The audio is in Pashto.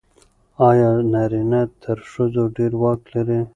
آیا نارینه تر ښځو ډېر واک لري؟